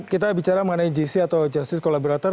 kita bicara mengenai gc atau justice collaborator